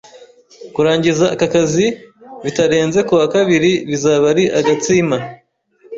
Kurangiza aka kazi bitarenze kuwa kabiri bizaba ari agatsima.